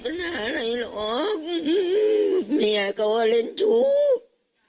โอ๊ยก็ไม่มีผิดต้องหาอะไรหรอกแม่ก็ว่าเล่นจู๊บ